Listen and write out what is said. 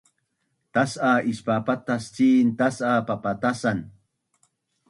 Tas’a ispapatas cin tas’a papatasan